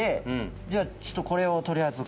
じゃあちょっとこれをとりあえず。